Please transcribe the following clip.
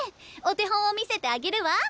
お手本を見せてあげるわ。